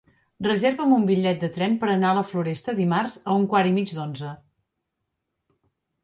Reserva'm un bitllet de tren per anar a la Floresta dimarts a un quart i mig d'onze.